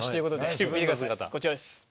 こちらです。